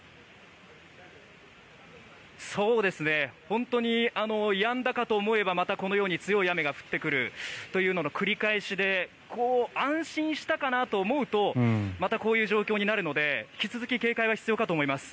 本当にやんだかと思えばまたこのように強い雨が降ってくるというのの繰り返しで安心したかなと思うとまたこういう状況になるので引き続き警戒が必要かと思います。